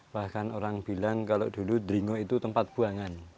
bahkan orang bilang kalau dulu dringo itu tempat buangan